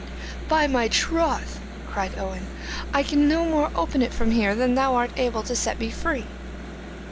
'By my troth!' cried Owen, 'I can no more open it from here than thou art able to set me free.